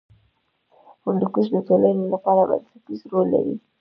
هندوکش د ټولنې لپاره بنسټیز رول لري.